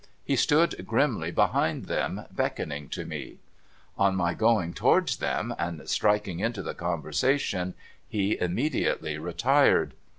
He stood grimly behind them, beckoning to me. On my going towards them, and striking into the conversation, he im mediately retired.